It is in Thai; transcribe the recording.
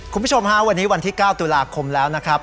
คุณผู้ชมฮะวันนี้วันที่๙ตุลาคมแล้วนะครับ